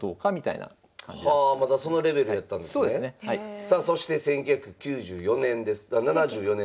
さあそして１９９４年ですあ７４年ですか。